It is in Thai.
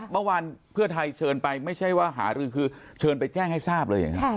เมื่อวานเพื่อไทยเชิญไปไม่ใช่ว่าหารือคือเชิญไปแจ้งให้ทราบเลยอย่างนั้น